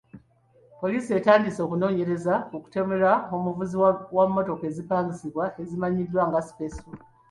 Poliisi etandise okunoonyereza ku kutemulwa kw'omuvuzi wa mmotoka ezipangisibwa ezimanyiddwa nga sipesulo.